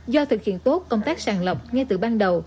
do thực hiện tốt công tác sàng lọc ngay từ ban đầu